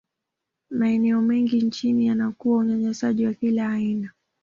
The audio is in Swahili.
maeneo mengi nchini yanakuwa unyanyasaji wa kila aina